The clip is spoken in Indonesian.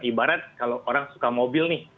ibarat kalau orang suka mobil nih